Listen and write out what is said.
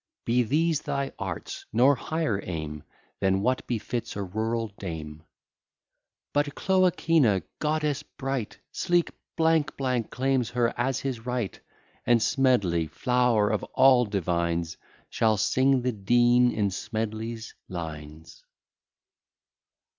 Be these thy arts; nor higher aim Than what befits a rural dame. "But Cloacina, goddess bright, Sleek claims her as his right; And Smedley, flower of all divines, Shall sing the Dean in Smedley's lines."